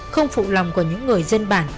không phụ lòng của những người dân bản